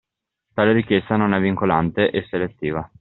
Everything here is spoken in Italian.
Tale richiesta non è vincolante e selettiva.